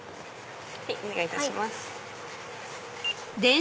お願いいたします。